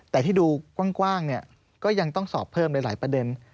แต่ที่ดูกว้างก็ยังต้องสอบเพิ่มในหลายประเด็น